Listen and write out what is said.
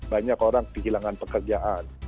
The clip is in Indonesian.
banyak orang kehilangan pekerjaan